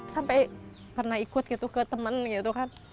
sampai pernah ikut gitu ke temen gitu kan